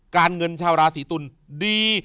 การเงินชาวราศีตุลดี